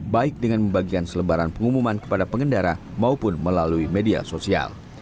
baik dengan membagikan selebaran pengumuman kepada pengendara maupun melalui media sosial